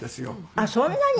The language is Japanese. あっそんなに？